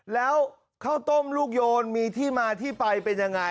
แล้วข้าวต้มลูกโยนมีที่มาที่ไปเป็นยังไง